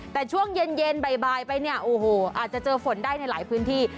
แต่ช่วงเย็นบ่ายไปเนี่ยโอ้โหอาจจะเจอฝนได้ในหลายพื้นที่